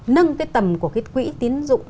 nâng cái tầm của quỹ tín dụng